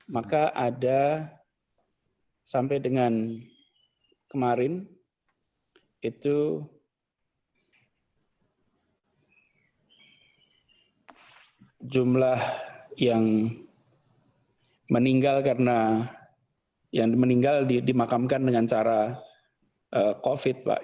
maka ada sampai dengan kemarin itu jumlah yang meninggal karena yang meninggal dimakamkan dengan cara covid pak